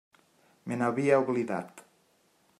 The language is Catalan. Me n'havia oblidat.